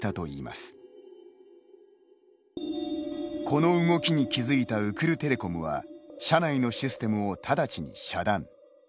この動きに気づいたウクルテレコムは社内のシステムをただちに遮断。